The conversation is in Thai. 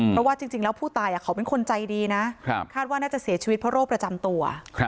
เพราะว่าจริงแล้วผู้ตายเขาเป็นคนใจดีนะคาดว่าน่าจะเสียชีวิตเพราะโรคประจำตัว